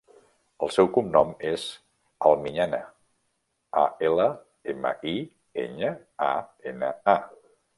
El seu cognom és Almiñana: a, ela, ema, i, enya, a, ena, a.